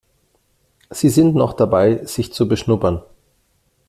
Sie sind noch dabei, sich zu beschnuppern.